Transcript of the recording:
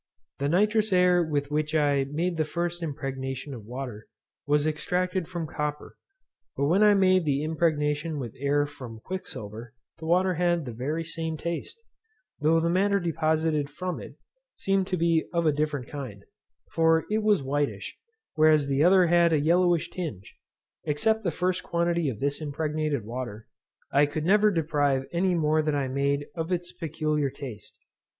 The nitrous air with which I made the first impregnation of water was extracted from copper; but when I made the impregnation with air from quicksilver, the water had the very same taste, though the matter deposited from it seemed to be of a different kind; for it was whitish, whereas the other had a yellowish tinge. Except the first quantity of this impregnated water, I could never deprive any more that I made of its peculiar taste.